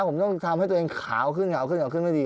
ผมต้องทำให้ตัวเองขาวขึ้นขาวขึ้นขาวขึ้นไม่ดี